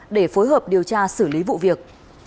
để phối hợp điều tra xử lý vụ việc